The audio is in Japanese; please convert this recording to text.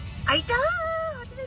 あっいた！